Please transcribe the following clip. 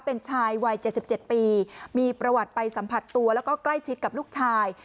เป็นชายวัย๗๗ปีมีประวัติไปสัมผัสตัวแล้วก็ใกล้ชิดกับลูกชาย